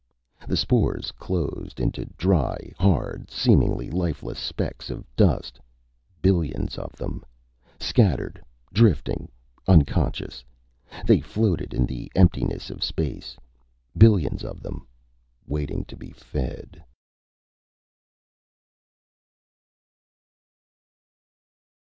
The spores closed into dry, hard, seemingly lifeless specks of dust, billions of them, scattered, drifting. Unconscious, they floated in the emptiness of space. Billions of them, waiting to be fed.